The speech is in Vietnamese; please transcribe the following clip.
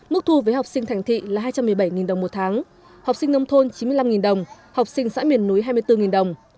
mức thu với học sinh thành thị là hai trăm một mươi bảy đồng một tháng học sinh nông thôn chín mươi năm đồng học sinh xã miền núi hai mươi bốn đồng